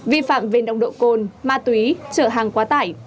vi phạm về nồng độ cồn ma túy trở hàng quá tải